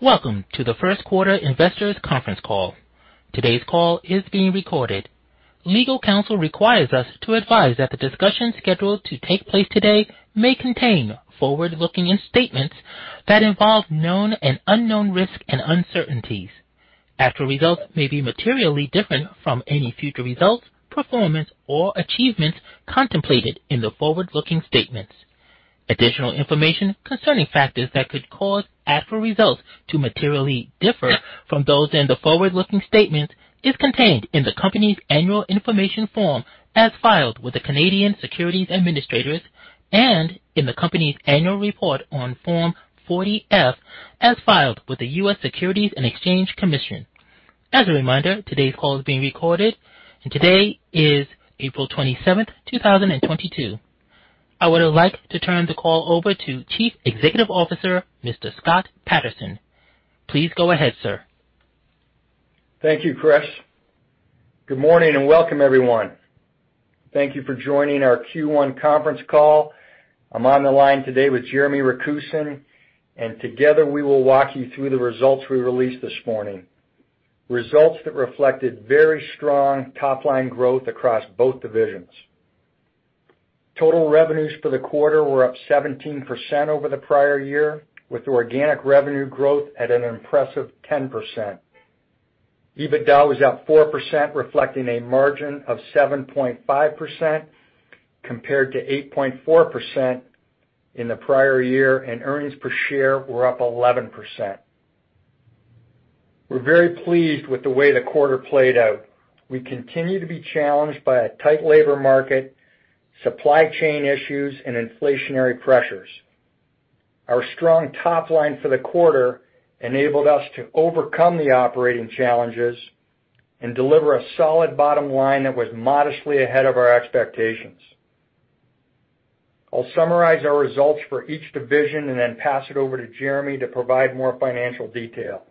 Welcome to the first quarter investors conference call. Today's call is being recorded. Legal counsel requires us to advise that the discussion scheduled to take place today may contain forward-looking statements that involve known and unknown risks and uncertainties. Actual results may be materially different from any future results, performance, or achievements contemplated in the forward-looking statements. Additional information concerning factors that could cause actual results to materially differ from those in the forward-looking statement is contained in the company's annual information form as filed with the Canadian Securities Administrators and in the company's annual report on Form 40-F as filed with the U.S. Securities and Exchange Commission. As a reminder, today's call is being recorded, and today is April 27th, 2022. I would like to turn the call over to Chief Executive Officer, Mr. Scott Patterson. Please go ahead, sir. Thank you, Chris. Good morning and welcome, everyone. Thank you for joining our Q1 conference call. I'm on the line today with Jeremy Rakusin, and together, we will walk you through the results we released this morning. Results that reflected very strong top-line growth across both divisions. Total revenues for the quarter were up 17% over the prior year, with organic revenue growth at an impressive 10%. EBITDA was up 4%, reflecting a margin of 7.5% compared to 8.4% in the prior year, and earnings per share were up 11%. We're very pleased with the way the quarter played out. We continue to be challenged by a tight labor market, supply chain issues, and inflationary pressures. Our strong top line for the quarter enabled us to overcome the operating challenges and deliver a solid bottom line that was modestly ahead of our expectations. I'll summarize our results for each division and then pass it over to Jeremy to provide more financial detail.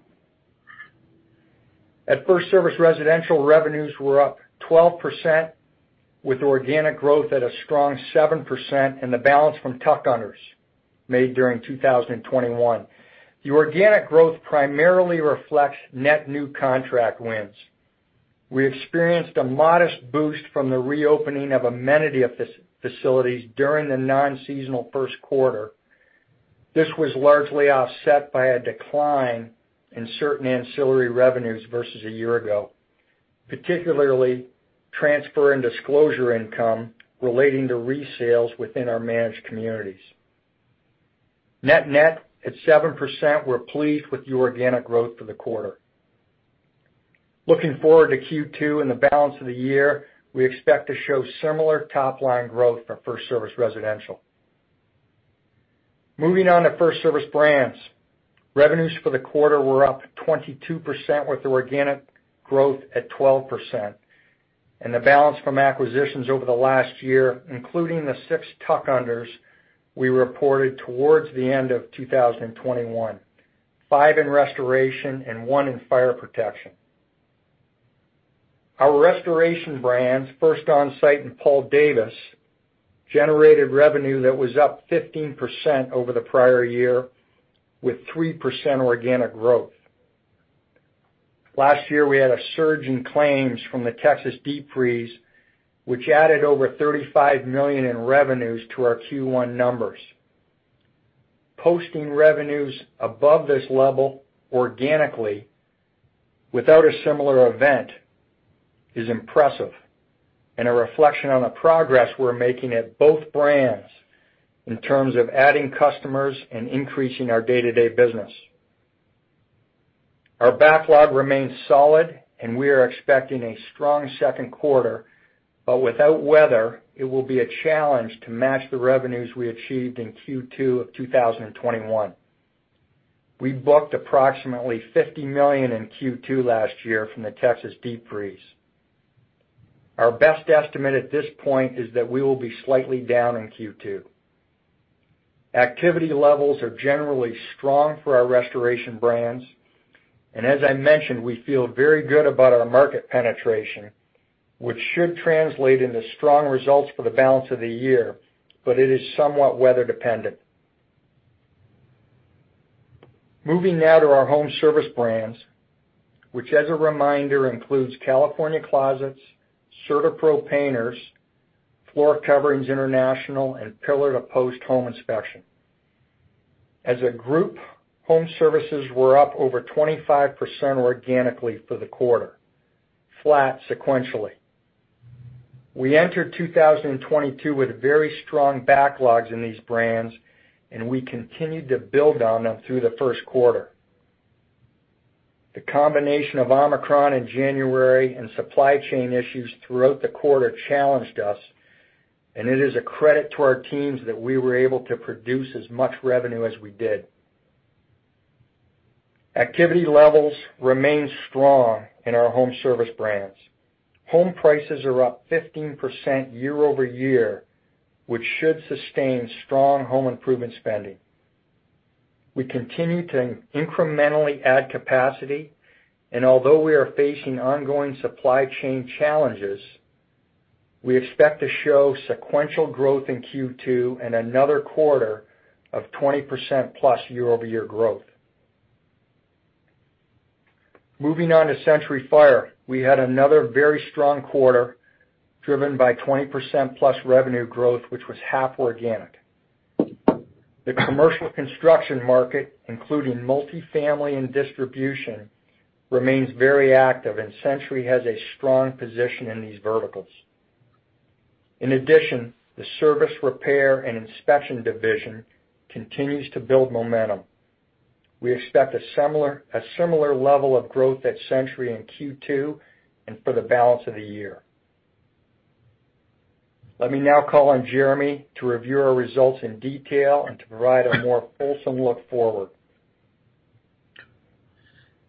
At FirstService Residential, revenues were up 12%, with organic growth at a strong 7% and the balance from tuck-ins made during 2021. The organic growth primarily reflects net new contract wins. We experienced a modest boost from the reopening of amenity facilities during the non-seasonal first quarter. This was largely offset by a decline in certain ancillary revenues versus a year ago, particularly transfer and disclosure income relating to resales within our managed communities. Net net, at 7%, we're pleased with the organic growth for the quarter. Looking forward to Q2 and the balance of the year, we expect to show similar top-line growth for FirstService Residential. Moving on to FirstService Brands. Revenues for the quarter were up 22%, with organic growth at 12% and the balance from acquisitions over the last year, including the six tuck-unders we reported towards the end of 2021, five in restoration and one in fire protection. Our restoration brands, First Onsite and Paul Davis, generated revenue that was up 15% over the prior year with 3% organic growth. Last year, we had a surge in claims from the Texas deep freeze, which added over $35 million in revenues to our Q1 numbers. Posting revenues above this level organically without a similar event is impressive and a reflection on the progress we're making at both brands in terms of adding customers and increasing our day-to-day business. Our backlog remains solid, and we are expecting a strong second quarter, but without weather, it will be a challenge to match the revenues we achieved in Q2 of 2021. We booked approximately $50 million in Q2 last year from the Texas deep freeze. Our best estimate at this point is that we will be slightly down in Q2. Activity levels are generally strong for our restoration brands, and as I mentioned, we feel very good about our market penetration, which should translate into strong results for the balance of the year, but it is somewhat weather dependent. Moving now to our home service brands, which as a reminder, includes California Closets, CertaPro Painters, Floor Coverings International, and Pillar To Post Home Inspectors. As a group, home services were up over 25% organically for the quarter, flat sequentially. We entered 2022 with very strong backlogs in these brands, and we continued to build on them through the first quarter. The combination of Omicron in January and supply chain issues throughout the quarter challenged us, and it is a credit to our teams that we were able to produce as much revenue as we did. Activity levels remain strong in our home service brands. Home prices are up 15% year-over-year, which should sustain strong home improvement spending. We continue to incrementally add capacity, and although we are facing ongoing supply chain challenges. We expect to show sequential growth in Q2 and another quarter of 20%+ year-over-year growth. Moving on to Century Fire Protection, we had another very strong quarter driven by 20%+ revenue growth, which was half organic. The commercial construction market, including multifamily and distribution, remains very active, and Century Fire Protection has a strong position in these verticals. In addition, the service repair and inspection division continues to build momentum. We expect a similar level of growth at Century Fire Protection in Q2 and for the balance of the year. Let me now call on Jeremy Rakusin to review our results in detail and to provide a more fulsome look forward.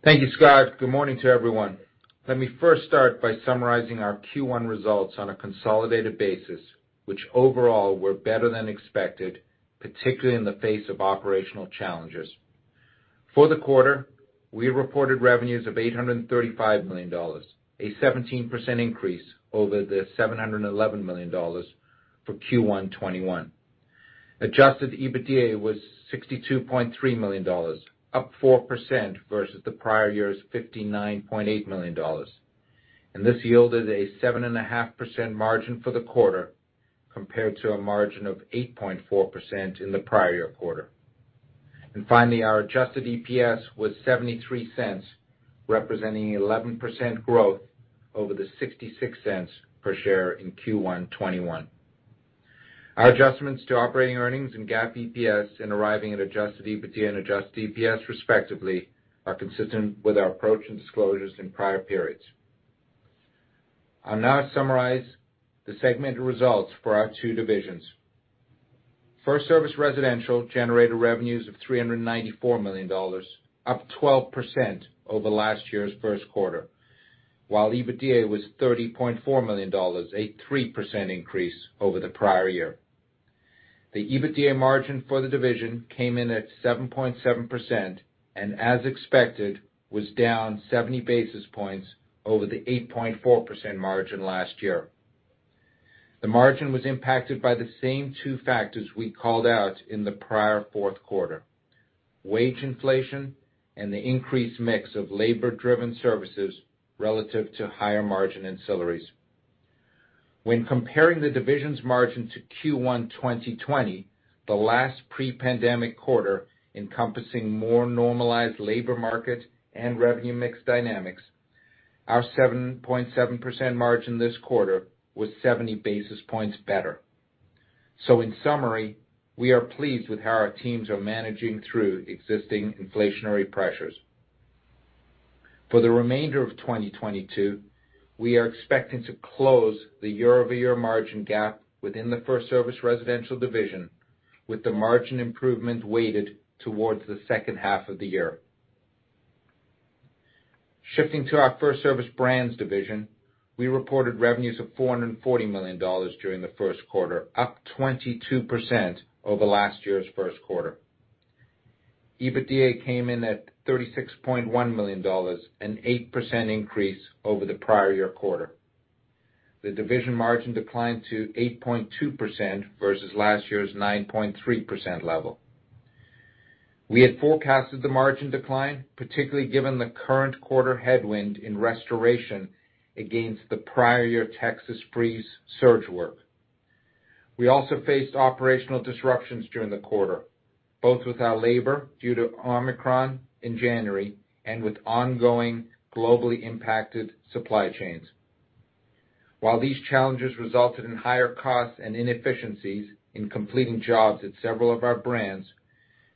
Thank you, Scott. Good morning to everyone. Let me first start by summarizing our Q1 results on a consolidated basis, which overall were better than expected, particularly in the face of operational challenges. For the quarter, we reported revenues of $835 million, a 17% increase over the $711 million for Q1 2021. Adjusted EBITDA was $62.3 million, up 4% versus the prior year's $59.8 million. This yielded a 7.5% margin for the quarter, compared to a margin of 8.4% in the prior year quarter. Finally, our adjusted EPS was $0.73, representing 11% growth over the $0.66 per share in Q1 2021. Our adjustments to operating earnings and GAAP EPS in arriving at adjusted EBITDA and adjusted EPS, respectively, are consistent with our approach and disclosures in prior periods. I'll now summarize the segmented results for our two divisions. FirstService Residential generated revenues of $394 million, up 12% over last year's first quarter, while EBITDA was $30.4 million, a 3% increase over the prior year. The EBITDA margin for the division came in at 7.7%, and as expected, was down 70 basis points over the 8.4% margin last year. The margin was impacted by the same two factors we called out in the prior fourth quarter. Wage inflation and the increased mix of labor-driven services relative to higher margin ancillaries. When comparing the division's margin to Q1 2020, the last pre-pandemic quarter encompassing more normalized labor market and revenue mix dynamics, our 7.7% margin this quarter was 70 basis points better. In summary, we are pleased with how our teams are managing through existing inflationary pressures. For the remainder of 2022, we are expecting to close the year-over-year margin gap within the FirstService Residential division, with the margin improvement weighted towards the second half of the year. Shifting to our FirstService Brands division, we reported revenues of $440 million during the first quarter, up 22% over last year's first quarter. EBITDA came in at $36.1 million, an 8% increase over the prior year quarter. The division margin declined to 8.2% versus last year's 9.3% level. We had forecasted the margin decline, particularly given the current quarter headwind in restoration against the prior year Texas freeze surge work. We also faced operational disruptions during the quarter, both with our labor due to Omicron in January and with ongoing globally impacted supply chains. While these challenges resulted in higher costs and inefficiencies in completing jobs at several of our brands,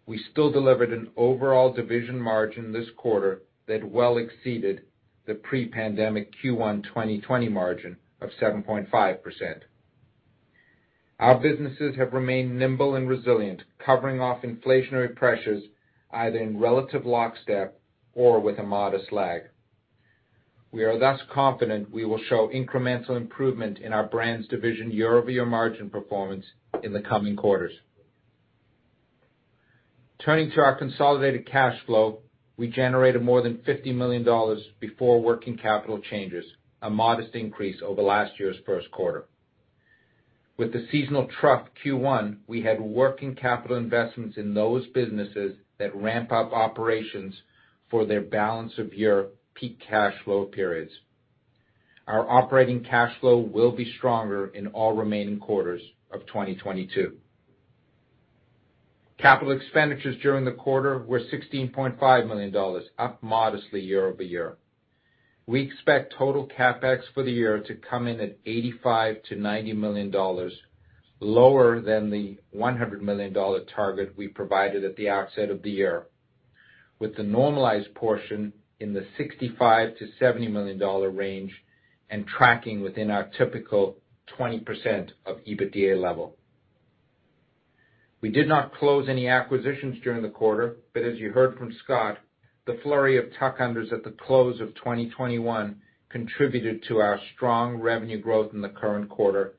we still delivered an overall division margin this quarter that well exceeded the pre-pandemic Q1 2020 margin of 7.5%. Our businesses have remained nimble and resilient, covering off inflationary pressures either in relative lockstep or with a modest lag. We are thus confident we will show incremental improvement in our Brands division year-over-year margin performance in the coming quarters. Turning to our consolidated cash flow, we generated more than $50 million before working capital changes, a modest increase over last year's first quarter. With the seasonal trough Q1, we had working capital investments in those businesses that ramp up operations for their balance-of-year peak cash flow periods. Our operating cash flow will be stronger in all remaining quarters of 2022. Capital expenditures during the quarter were $16.5 million, up modestly year-over-year. We expect total CapEx for the year to come in at $85 million-$90 million, lower than the $100 million target we provided at the outset of the year, with the normalized portion in the $65 million-$70 million range and tracking within our typical 20% of EBITDA level. We did not close any acquisitions during the quarter, but as you heard from Scott, the flurry of tuck-unders at the close of 2021 contributed to our strong revenue growth in the current quarter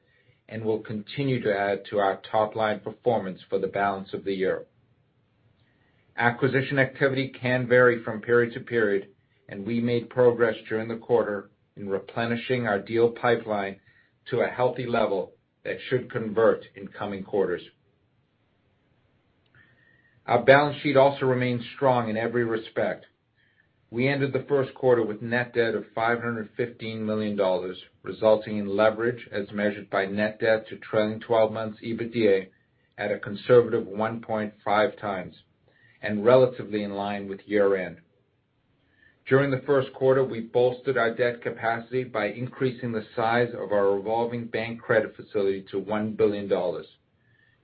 and will continue to add to our top-line performance for the balance of the year. Acquisition activity can vary from period to period, and we made progress during the quarter in replenishing our deal pipeline to a healthy level that should convert in coming quarters. Our balance sheet also remains strong in every respect. We ended the first quarter with net debt of $515 million, resulting in leverage as measured by net debt to trailing twelve months EBITDA at a conservative 1.5x and relatively in line with year-end. During the first quarter, we bolstered our debt capacity by increasing the size of our revolving bank credit facility to $1 billion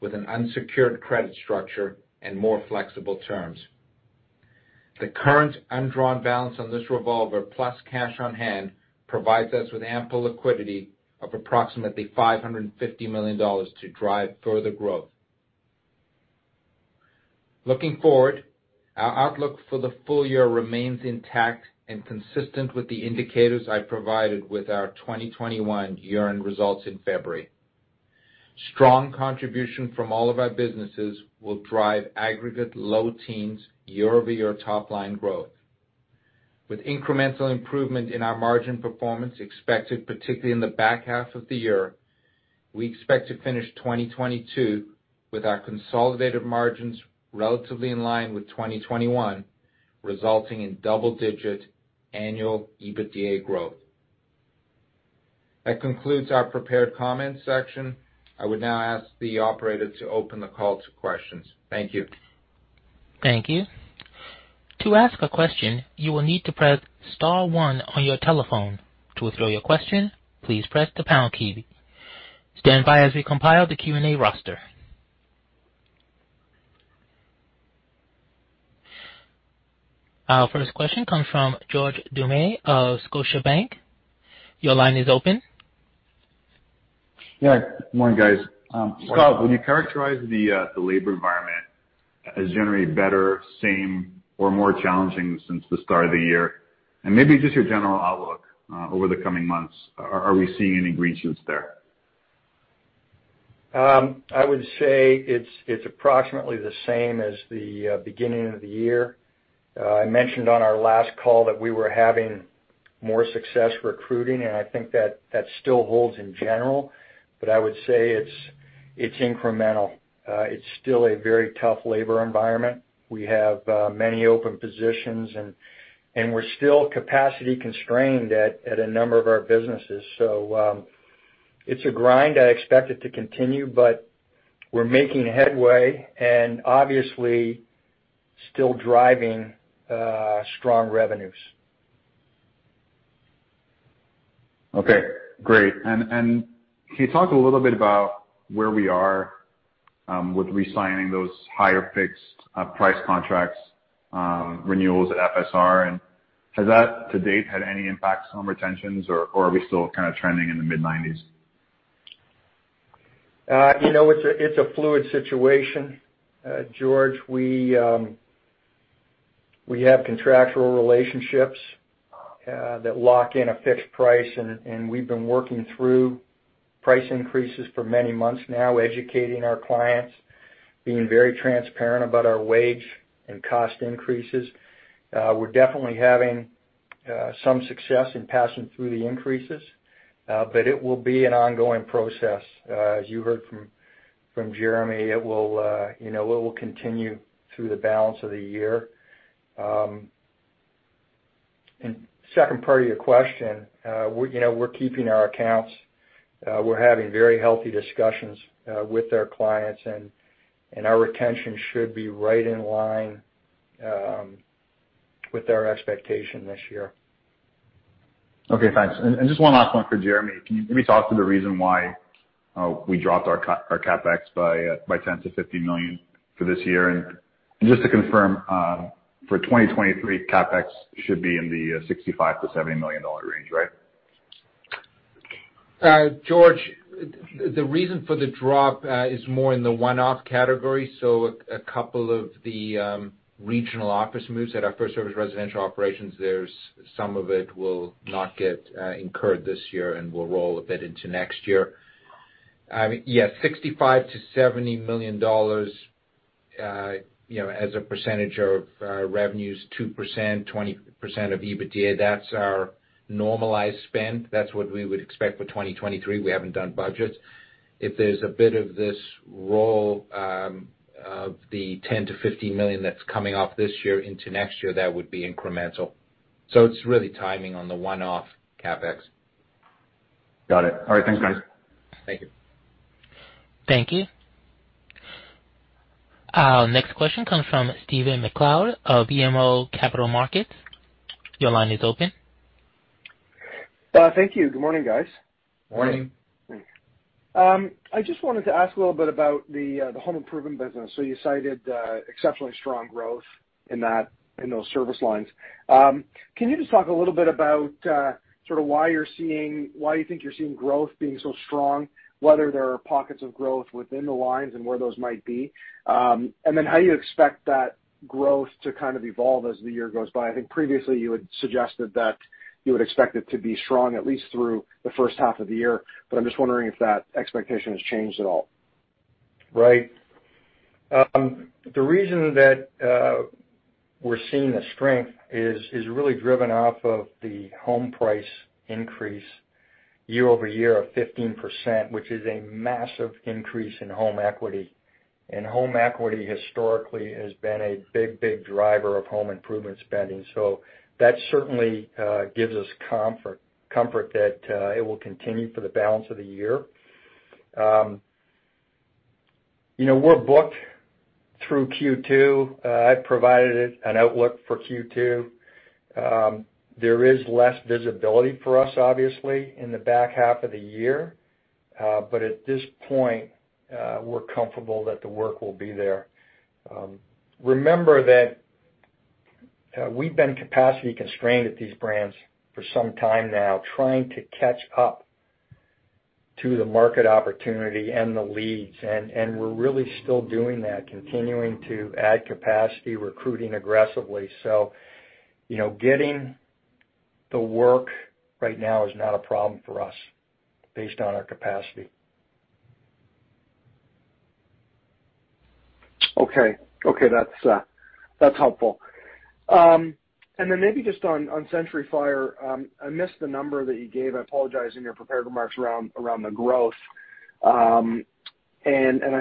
with an unsecured credit structure and more flexible terms. The current undrawn balance on this revolver plus cash on hand provides us with ample liquidity of approximately $550 million to drive further growth. Looking forward, our outlook for the full year remains intact and consistent with the indicators I provided with our 2021 year-end results in February. Strong contribution from all of our businesses will drive aggregate low-teens year-over-year top-line growth. With incremental improvement in our margin performance expected, particularly in the back half of the year, we expect to finish 2022 with our consolidated margins relatively in line with 2021, resulting in double-digit annual EBITDA growth. That concludes our prepared comments section. I would now ask the operator to open the call to questions. Thank you. Thank you. To ask a question, you will need to press star one on your telephone. To withdraw your question, please press the pound key. Stand by as we compile the Q&A roster. Our first question comes from George Doumet of Scotiabank. Your line is open. Yeah. Morning, guys. Scott, when you characterize the labor environment as generally better, same, or more challenging since the start of the year, and maybe just your general outlook over the coming months, are we seeing any green shoots there? I would say it's approximately the same as the beginning of the year. I mentioned on our last call that we were having more success recruiting, and I think that still holds in general. I would say it's incremental. It's still a very tough labor environment. We have many open positions and we're still capacity constrained at a number of our businesses. It's a grind. I expect it to continue, but we're making headway and obviously still driving strong revenues. Okay. Great. Can you talk a little bit about where we are with re-signing those higher fixed-price contracts renewals at FSR? Has that to date had any impact on retentions or are we still kinda trending in the mid-90s? You know, it's a fluid situation, George. We have contractual relationships that lock in a fixed price and we've been working through price increases for many months now, educating our clients, being very transparent about our wage and cost increases. We're definitely having some success in passing through the increases, but it will be an ongoing process. As you heard from Jeremy, you know, it will continue through the balance of the year. Second part of your question, we, you know, we're keeping our accounts. We're having very healthy discussions with their clients and our retention should be right in line with our expectation this year. Okay, thanks. Just one last one for Jeremy. Can you maybe talk through the reason why we dropped our CapEx by $10 million-$50 million for this year? Just to confirm, for 2023, CapEx should be in the $65 million-$70 million range, right? George, the reason for the drop is more in the one-off category. A couple of the regional office moves at our FirstService Residential operations, there's some of it will not get incurred this year and will roll a bit into next year. Yes, $65 million-$70 million, you know, as a percentage of our revenues, 2%, 20% of EBITDA. That's our normalized spend. That's what we would expect for 2023. We haven't done budgets. If there's a bit of this roll of the $10 million-$50 million that's coming off this year into next year, that would be incremental. It's really timing on the one-off CapEx. Got it. All right. Thanks, guys. Thank you. Thank you. Our next question comes from Stephen MacLeod of BMO Capital Markets. Your line is open. Thank you. Good morning, guys. Morning. I just wanted to ask a little bit about the home improvement business. You cited exceptionally strong growth in that, in those service lines. Can you just talk a little bit about sort of why you think you're seeing growth being so strong, whether there are pockets of growth within the lines and where those might be? How you expect that growth to kind of evolve as the year goes by? I think previously you had suggested that you would expect it to be strong at least through the first half of the year, but I'm just wondering if that expectation has changed at all. Right. The reason that we're seeing the strength is really driven off of the home price increase year-over-year of 15%, which is a massive increase in home equity. Home equity historically has been a big driver of home improvement spending. That certainly gives us comfort that it will continue for the balance of the year. You know, we're booked through Q2. I provided an outlook for Q2. There is less visibility for us, obviously, in the back half of the year, but at this point, we're comfortable that the work will be there. Remember that we've been capacity constrained at these brands for some time now, trying to catch up to the market opportunity and the leads, and we're really still doing that, continuing to add capacity, recruiting aggressively. You know, getting the work right now is not a problem for us based on our capacity. Okay. That's helpful. Maybe just on Century Fire, I missed the number that you gave. I apologize in your prepared remarks around the growth. I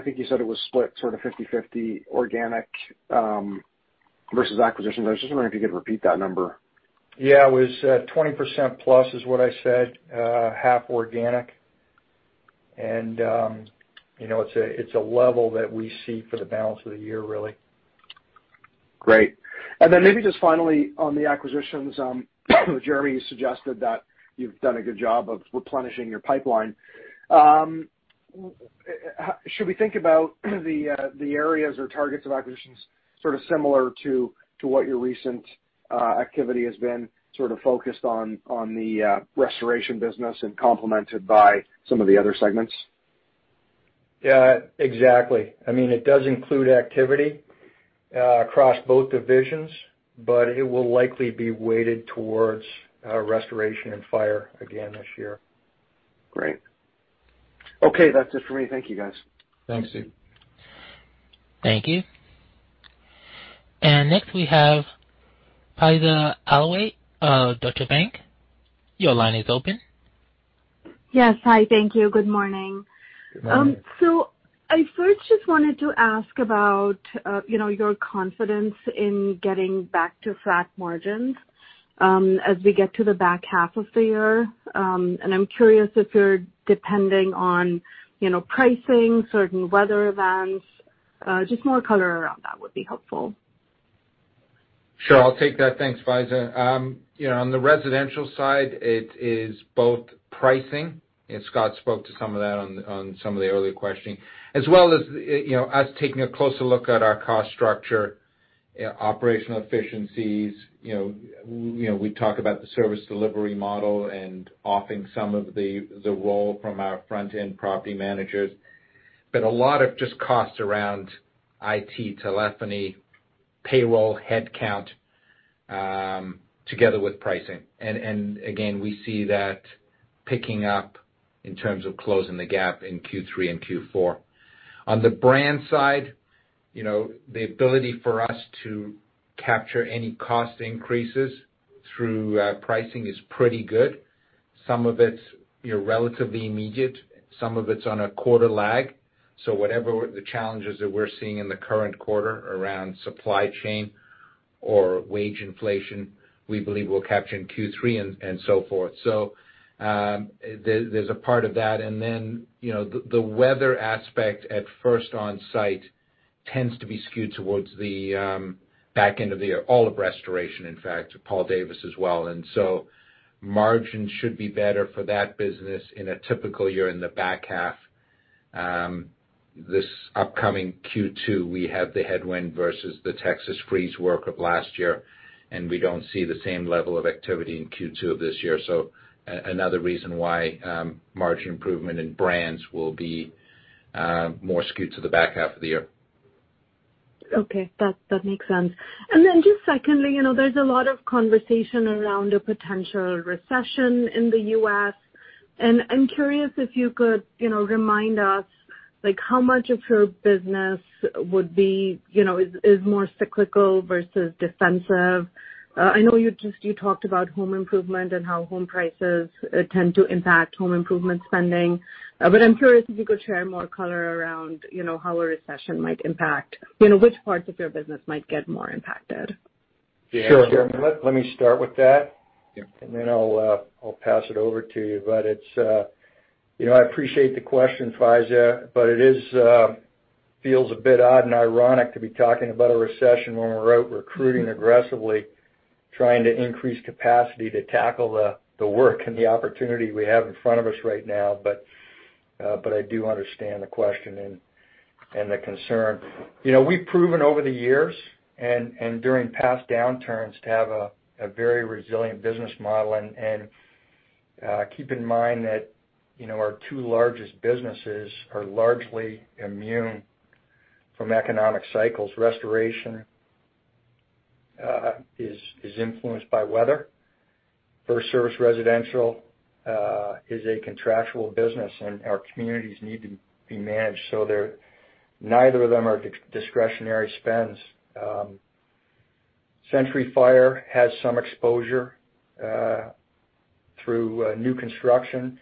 think you said it was split sort of 50/50 organic versus acquisitions. I was just wondering if you could repeat that number. Yeah. It was 20%+ is what I said, half organic. You know, it's a level that we see for the balance of the year really. Great. Maybe just finally on the acquisitions, Jeremy suggested that you've done a good job of replenishing your pipeline. Should we think about the areas or targets of acquisitions sort of similar to what your recent activity has been sort of focused on the restoration business and complemented by some of the other segments? Yeah, exactly. I mean, it does include activity across both divisions, but it will likely be weighted towards restoration and fire again this year. Great. Okay. That's it for me. Thank you, guys. Thanks, Steve. Thank you. Next, we have Faiza Alwy, Deutsche Bank. Your line is open. Yes. Hi. Thank you. Good morning. Good morning. I first just wanted to ask about, you know, your confidence in getting back to flat margins, as we get to the back half of the year. I'm curious if you're depending on, you know, pricing, certain weather events, just more color around that would be helpful. Sure. I'll take that. Thanks, Faiza. You know, on the residential side, it is both pricing, and Scott spoke to some of that on some of the earlier questioning, as well as you know, us taking a closer look at our cost structure, operational efficiencies. You know, we talk about the service delivery model and offloading some of the role from our front-end property managers. But a lot of just costs around IT, telephony, payroll, headcount, together with pricing. And again, we see that picking up in terms of closing the gap in Q3 and Q4. On the brand side, you know, the ability for us to capture any cost increases through pricing is pretty good. Some of it's, you know, relatively immediate, some of it's on a quarter lag. Whatever the challenges that we're seeing in the current quarter around supply chain or wage inflation, we believe we'll capture in Q3 and so forth. There's a part of that. Then the weather aspect at First Onsite tends to be skewed towards the back end of the year, all of restoration, in fact, Paul Davis as well. Margins should be better for that business in a typical year in the back half. This upcoming Q2, we have the headwind versus the Texas freeze work of last year, and we don't see the same level of activity in Q2 of this year. Another reason why margin improvement in brands will be more skewed to the back half of the year. Okay. That makes sense. Then just secondly, you know, there's a lot of conversation around a potential recession in the US, and I'm curious if you could, you know, remind us, like how much of your business would be, you know, is more cyclical versus defensive. I know you just talked about home improvement and how home prices tend to impact home improvement spending. But I'm curious if you could share more color around, you know, how a recession might impact, you know, which parts of your business might get more impacted. Sure. Yeah. Jeremy, let me start with that. Yeah. Then I'll pass it over to you. You know, I appreciate the question, Faiza, but it feels a bit odd and ironic to be talking about a recession when we're out recruiting aggressively, trying to increase capacity to tackle the work and the opportunity we have in front of us right now. I do understand the question and the concern. You know, we've proven over the years and during past downturns to have a very resilient business model. Keep in mind that, you know, our two largest businesses are largely immune from economic cycles. Restoration is influenced by weather. FirstService Residential is a contractual business, and our communities need to be managed. They're neither of them are non-discretionary spends. Century Fire Protection has some exposure through new construction,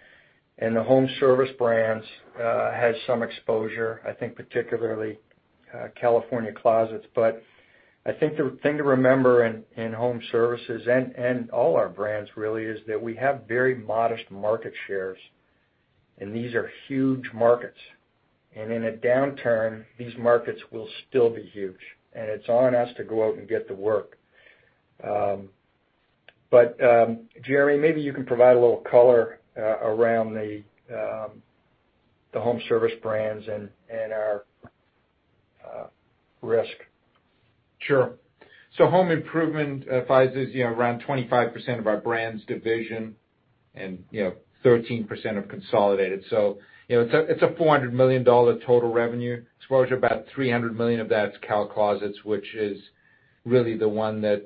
and the FirstService Brands has some exposure, I think particularly California Closets. I think the thing to remember in home services and all our brands really is that we have very modest market shares, and these are huge markets. In a downturn, these markets will still be huge, and it's on us to go out and get the work. Jeremy, maybe you can provide a little color around the FirstService Brands and our risk. Sure. Home Improvement provides us, you know, around 25% of our brands division and, you know, 13% of consolidated. You know, it's a $400 million total revenue exposure. About $300 million of that's California Closets, which is really the one that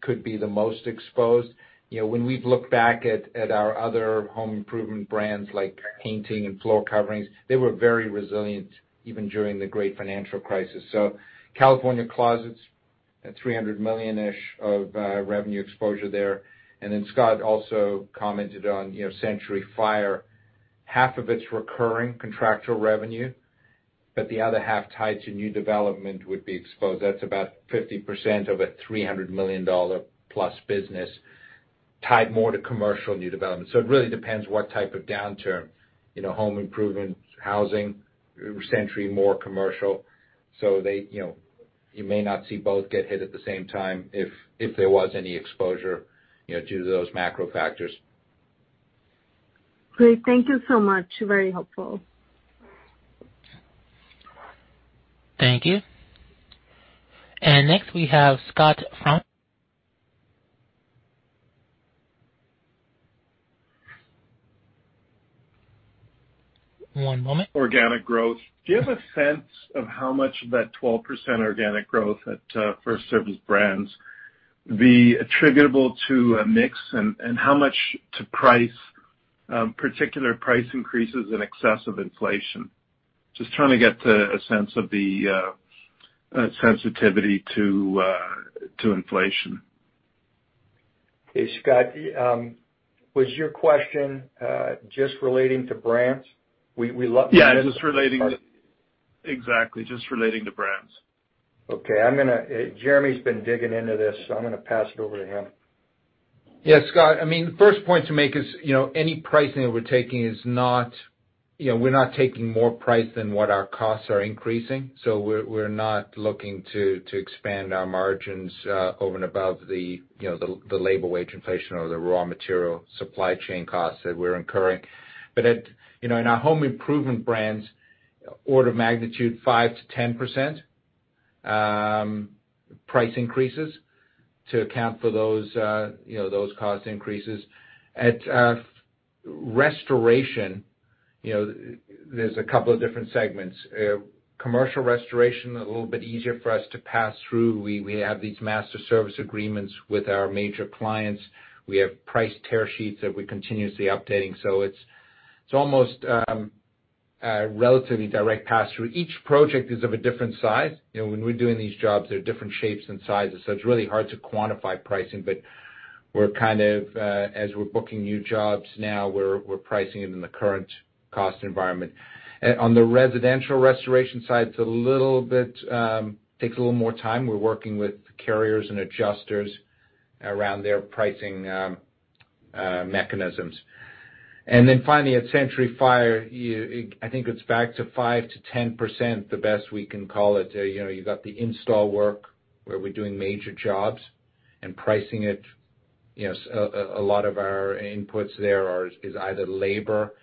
could be the most exposed. You know, when we've looked back at our other home improvement brands like CertaPro Painters and Floor Coverings International, they were very resilient even during the great financial crisis. California Closets at $300 million of revenue exposure there. Scott also commented on, you know, Century Fire Protection. Half of it's recurring contractual revenue, but the other half tied to new development would be exposed. That's about 50% of a $300+ million business tied more to commercial new development. It really depends what type of downturn. You know, home improvement, housing, Century, more commercial. They, you know, you may not see both get hit at the same time if there was any exposure, you know, due to those macro factors. Great. Thank you so much. Very helpful. Thank you. Next, we have Scott from. One moment. Organic growth. Do you have a sense of how much of that 12% organic growth at FirstService Brands be attributable to a mix and how much to price, particular price increases in excess of inflation? Just trying to get a sense of the sensitivity to inflation. Okay, Scott, was your question just relating to brands? We Exactly, just relating to brands. Okay. Jeremy's been digging into this, so I'm gonna pass it over to him. Yeah, Scott, I mean, the first point to make is, you know, any pricing that we're taking is not, you know, we're not taking more price than what our costs are increasing. We're not looking to expand our margins over and above the, you know, the labor wage inflation or the raw material supply chain costs that we're incurring. At, you know, in our Home Improvement brands, order of magnitude 5%-10% price increases to account for those, you know, those cost increases. At restoration, you know, there's a couple of different segments. Commercial restoration a little bit easier for us to pass through. We have these master service agreements with our major clients. We have price tear sheets that we're continuously updating. It's almost relatively direct pass through. Each project is of a different size. You know, when we're doing these jobs, there are different shapes and sizes, so it's really hard to quantify pricing. We're kind of as we're booking new jobs now, we're pricing it in the current cost environment. On the residential restoration side, it's a little bit takes a little more time. We're working with carriers and adjusters around their pricing mechanisms. Finally, at Century Fire, I think it's back to 5%-10% the best we can call it. You know, you got the install work where we're doing major jobs and pricing it. You know, a lot of our inputs there is either labor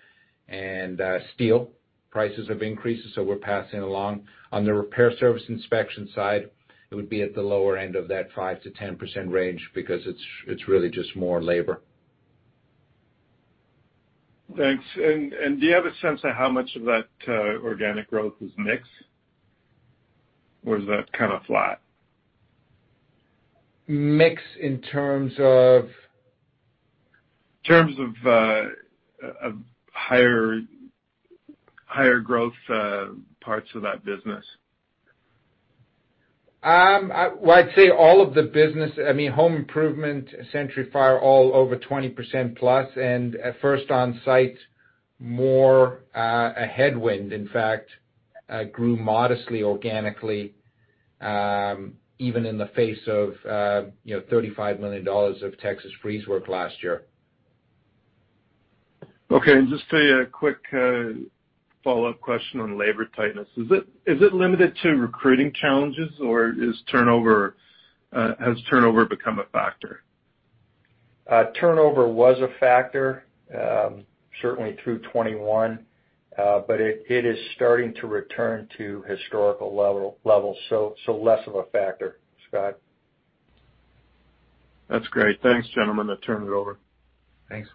and steel prices have increased, so we're passing along. On the repair service inspection side, it would be at the lower end of that 5%-10% range because it's really just more labor. Thanks. Do you have a sense of how much of that organic growth is mix? Or is that kind of flat? Mix in terms of? In terms of higher growth parts of that business. Well, I'd say all of the business, I mean, Home Improvement, Century Fire, all over 20%+. At First Onsite, more of a headwind, in fact, grew modestly organically, even in the face of, you know, $35 million of Texas freeze work last year. Okay. Just a quick follow-up question on labor tightness. Is it limited to recruiting challenges, or has turnover become a factor? Turnover was a factor, certainly through 2021. It is starting to return to historical level, so less of a factor, Scott. That's great. Thanks, gentlemen. I turn it over. Thanks.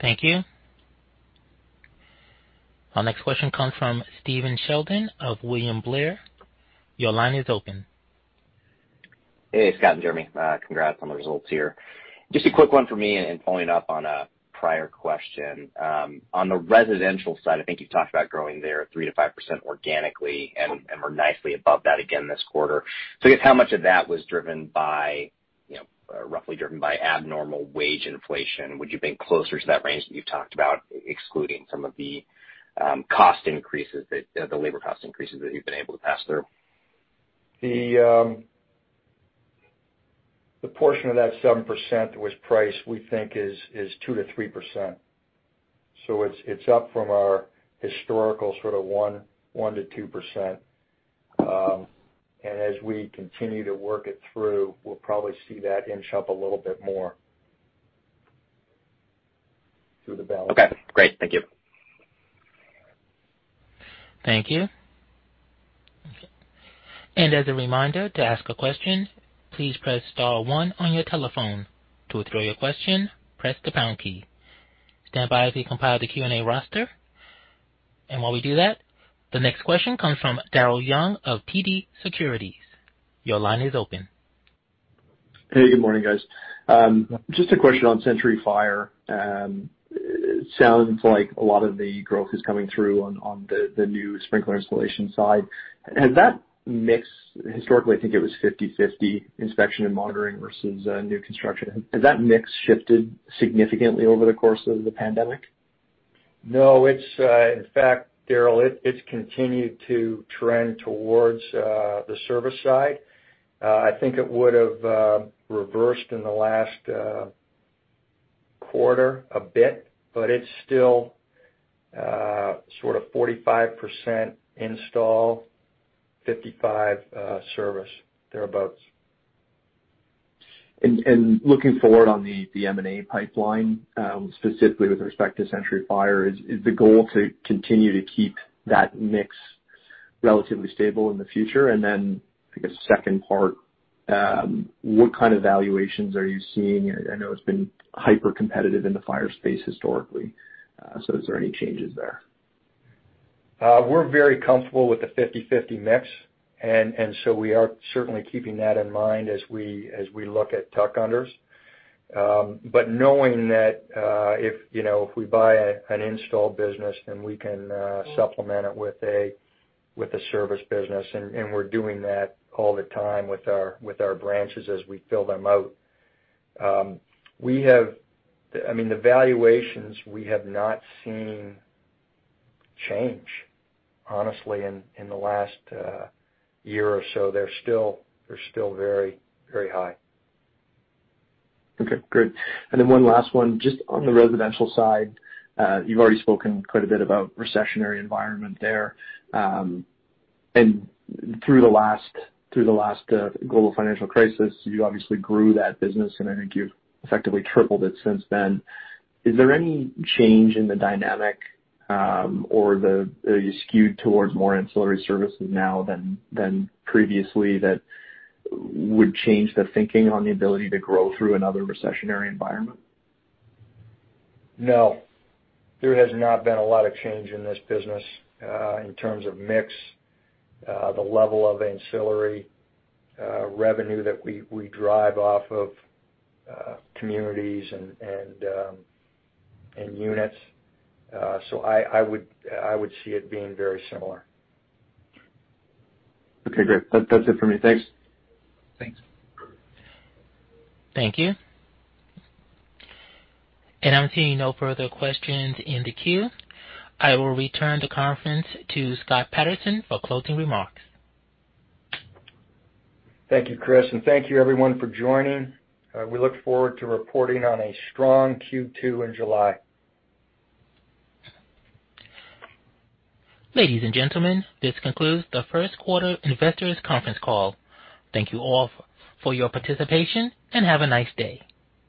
Thank you. Our next question comes from Stephen Sheldon of William Blair. Your line is open. Hey, Scott and Jeremy, congrats on the results here. Just a quick one for me and following up on a prior question. On the residential side, I think you've talked about growing there 3%-5% organically and we're nicely above that again this quarter. I guess how much of that was driven by, you know, roughly driven by abnormal wage inflation? Would you been closer to that range that you've talked about excluding some of the, cost increases that the labor cost increases that you've been able to pass through? The portion of that 7% was price we think is 2%-3%. It's up from our historical sort of 1%-2%. As we continue to work it through, we'll probably see that inch up a little bit more through the balance. Okay, great. Thank you. Thank you. As a reminder, to ask a question, please press star one on your telephone. To withdraw your question, press the pound key. Stand by as we compile the Q&A roster. While we do that, the next question comes from Daryl Young of TD Securities. Your line is open. Hey, good morning, guys. Just a question on Century Fire. It sounds like a lot of the growth is coming through on the new sprinkler installation side. Has that mix historically, I think it was 50/50, inspection and monitoring versus new construction. Has that mix shifted significantly over the course of the pandemic? No, it's in fact, Daryl, it's continued to trend towards the service side. I think it would've reversed in the last quarter a bit, but it's still sort of 45% install, 55% service, thereabouts. Looking forward on the M&A pipeline, specifically with respect to Century Fire, is the goal to continue to keep that mix relatively stable in the future? I guess the second part, what kind of valuations are you seeing? I know it's been hypercompetitive in the fire space historically. Is there any changes there? We're very comfortable with the 50/50 mix. We are certainly keeping that in mind as we look at tuck-ins. Knowing that, if you know, if we buy an install business, then we can supplement it with a service business and we're doing that all the time with our branches as we fill them out. I mean, the valuations, we have not seen change honestly in the last year or so. They're still very, very high. Okay. Great. Then one last one, just on the residential side, you've already spoken quite a bit about recessionary environment there. Through the last global financial crisis, you obviously grew that business, and I think you've effectively tripled it since then. Is there any change in the dynamic, or are you skewed towards more ancillary services now than previously that would change the thinking on the ability to grow through another recessionary environment? No, there has not been a lot of change in this business, in terms of mix, the level of ancillary revenue that we drive off of communities and units. I would see it being very similar. Okay, great. That's it for me. Thanks. Thanks. Thank you. I'm seeing no further questions in the queue. I will return the conference to Scott Patterson for closing remarks. Thank you, Chris. Thank you everyone for joining. We look forward to reporting on a strong Q2 in July. Ladies and gentlemen, this concludes the first quarter investors conference call. Thank you all for your participation, and have a nice day.